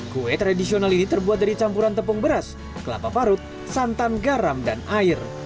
kue tradisional ini terbuat dari campuran tepung beras kelapa parut santan garam dan air